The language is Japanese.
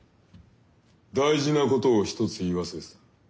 大事なことを一つ言い忘れてた。